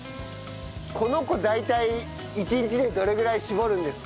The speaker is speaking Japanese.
この子大体１日でどれぐらい搾るんですか？